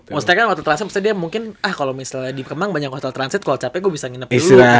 maksudnya kan hotel transit dia mungkin ah kalo misalnya di kemang banyak hotel transit kalo capek gue bisa nginep aja gitu kan